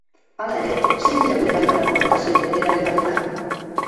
Hala ere, zein dira gure gailuetarako aplikaziorik erabilgarrienak?